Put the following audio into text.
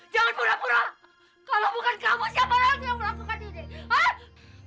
jangan pura pura kalau bukan kamu siapa lagi yang melakukan ini